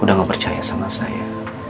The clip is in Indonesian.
sudah mempercaya sama saya